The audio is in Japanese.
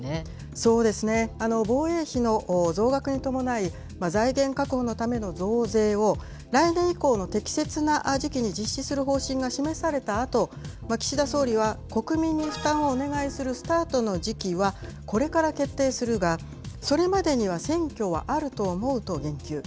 そうですね、防衛費の増額に伴い、財源確保のための増税を、来年以降の適切な時期に実施する方針が示されたあと、岸田総理は、国民に負担をお願いするスタートの時期は、これから決定するが、それまでには選挙はあると思うと言及。